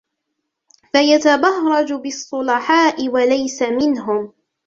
فَيَتَبَهْرَجَ بِالصُّلَحَاءِ وَلَيْسَ مِنْهُمْ